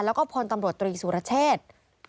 แล้วก็พลตำรวจตรีสุรเชษ